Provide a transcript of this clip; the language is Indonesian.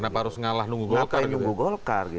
kenapa harus ngalah nunggu golkar